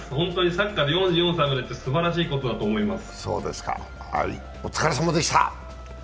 サッカーで４４歳までって、ホントすばらしいと思います。